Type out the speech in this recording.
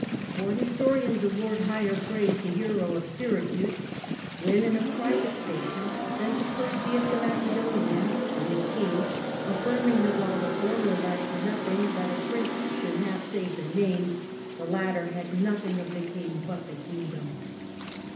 For Historians award higher praise to Hiero of Syracuse when in a private station than to Perseus the Macedonian when a King affirming that while the former lacked nothing that a Prince should have save the name, the latter had nothing of the King but the kingdom.